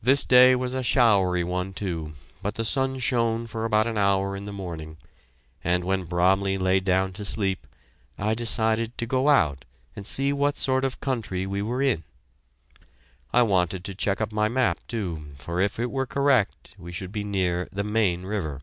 This day was a showery one, too, but the sun shone for about an hour in the morning, and when Bromley lay down to sleep, I decided to go out and see what sort of country we were in. I wanted to check up my map, too, for if it were correct, we should be near the Main River.